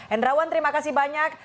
endrawan terima kasih banyak